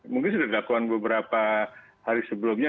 mungkin sudah dakwaan beberapa hari sebelumnya